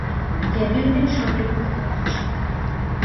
დებიუტი მშობლიურ ქალაქში შედგა.